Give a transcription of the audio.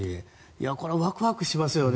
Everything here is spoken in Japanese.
これはワクワクしますよね。